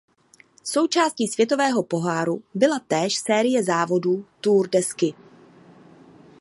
Součástí světového poháru byla též série závodů Tour de Ski.